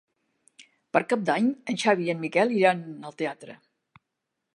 Per Cap d'Any en Xavi i en Miquel iran al teatre.